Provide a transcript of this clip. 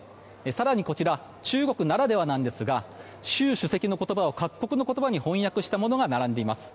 更に、こちら中国ならではなんですが習主席の言葉を各国の言葉に翻訳したものが並んでいます。